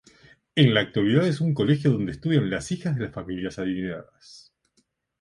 En la actualidad es un colegio donde estudian las hijas de las familias adineradas.